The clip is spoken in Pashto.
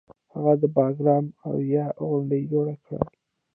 هغه د باګرام اوویی غونډه جوړه کړه